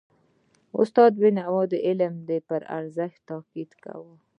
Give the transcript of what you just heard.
استاد بینوا د علم پر ارزښت تاکید کاوه.